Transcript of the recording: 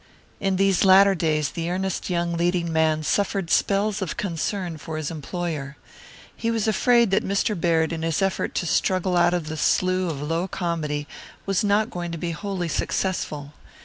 In these latter days the earnest young leading man suffered spells of concern for his employer. He was afraid that Mr. Baird in his effort to struggle out of the slough of low comedy was not going to be wholly successful.